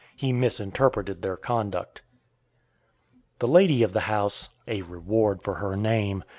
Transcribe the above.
He misinterpreted their conduct. The lady of the house (a reward for her name!)